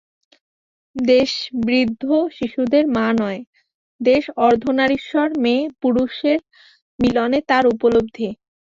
দেশ বৃদ্ধ শিশুদের মা নয়, দেশ অর্ধনারীশ্বর–মেয়ে-পুরুষের মিলনে তার উপলব্ধি।